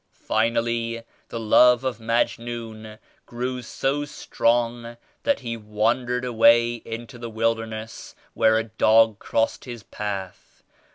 Finally the love of Majnun grew so strong that he wandered away into the wilderness where a dog crossed his path.